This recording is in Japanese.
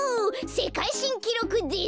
せかいしんきろくです。